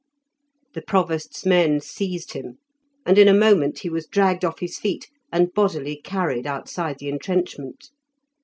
The provost's men seized him, and in a moment he was dragged off his feet, and bodily carried outside the entrenchment.